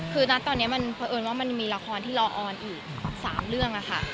คือนะตอนนี้มันเพราะเอิญว่ามันมีละครที่รอออนอีก๓เรื่องค่ะ